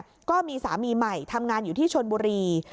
แล้วก็มีสามีใหม่ทำงานอยู่ที่ชนบุรี